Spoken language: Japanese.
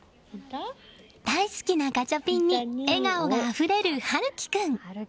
大好きなガチャピンに笑顔があふれる大輝君。